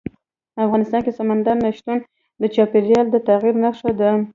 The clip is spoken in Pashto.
افغانستان کې سمندر نه شتون د چاپېریال د تغیر نښه ده.